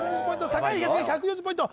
栄東が１４０ポイント